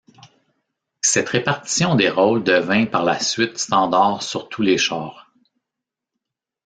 Cette répartition des rôles devint par la suite standard sur tous les chars.